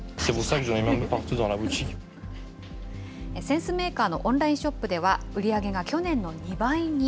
扇子メーカーのオンラインショップでは売り上げが去年の２倍に。